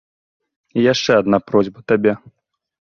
І яшчэ адна просьба табе.